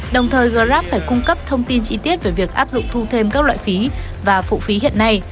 đồng thời grab phải cung cấp thông tin chi tiết về việc áp dụng thu thêm các loại phí và phụ phí hiện nay